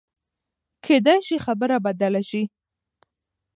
کېدای شي خبره بدله شي.